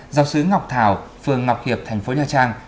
giáo sứ ngọc thảo phường ngọc hiệp thành phố nha trang